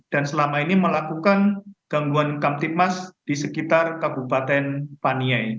dan selama ini melakukan gangguan kamtipmas di sekitar kabupaten paniai